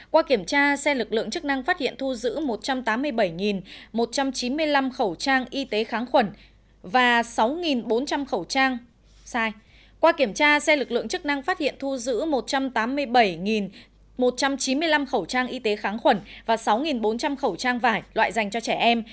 qua kiểm tra xe lực lượng chức năng phát hiện thu giữ một trăm tám mươi bảy một trăm chín mươi năm khẩu trang y tế kháng khuẩn và sáu bốn trăm linh khẩu trang vải loại dành cho trẻ em